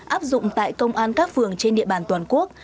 áp dụng tại công an các phường trên địa bàn toàn quốc